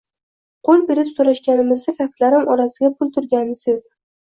Qoʻl berib soʻrashganimizda kaftlarim orasida pul turganini sezdim